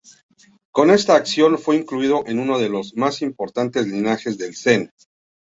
Con esta acción, fue incluido en uno de los más importantes linajes del Zen.